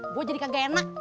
gue jadi kagak enak